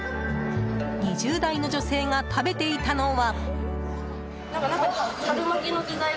２０代の女性が食べていたのは。